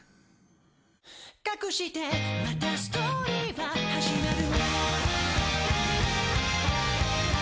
「かくしてまたストーリーは始まる」